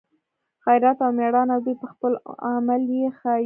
غیرت او میړانه دوی په خپل عمل یې ښایي